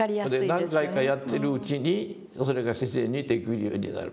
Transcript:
それで何回かやってるうちにそれが自然にできるようになる。